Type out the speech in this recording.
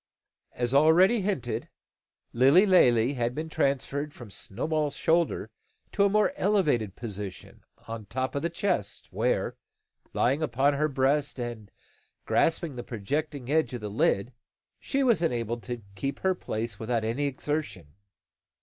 As already hinted, Lilly Lalee had been transferred from Snowball's shoulder to a more elevated position, upon the top of the chest where, lying upon her breast, and grasping the projecting edge of the lid, she was enabled to keep her place without any exertion.